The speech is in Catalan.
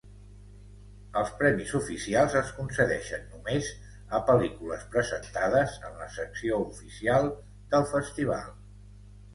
Els premis oficials es concedeixen només a pel·lícules presentades en la Secció Oficial del festival.